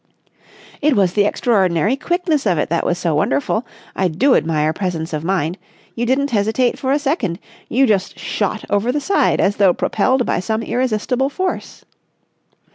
"It was the extraordinary quickness of it that was so wonderful. I do admire presence of mind. You didn't hesitate for a second. You just shot over the side as though propelled by some irresistible force!"